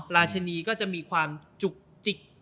ราชนีก็จะมีความจุกจิก